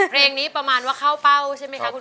เพลงนี้ประมาณว่าเข้าเป้าใช่ไหมคะคุณ